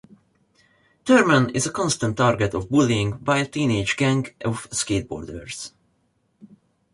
Thurman is a constant target of bullying by a teenage gang of skateboarders.